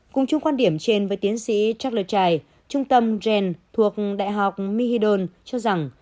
cùng chung quan điểm trên với tiến sĩ chuck luchai trung tâm gen thuộc đại học my hidon cho rằng